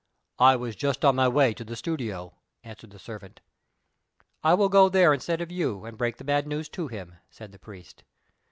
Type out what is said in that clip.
"I was just on my way to the studio," answered the servant. "I will go there instead of you, and break the bad news to him," said the priest.